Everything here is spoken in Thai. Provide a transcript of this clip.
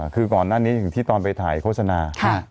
คือก่อนหน้านี้อย่างที่ตอนไปถ่ายโฆษณา